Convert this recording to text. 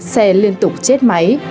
xe liên tục chết máy